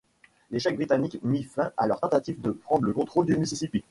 L'échec britannique mit fin à leur tentative de prendre le contrôle du Mississippi.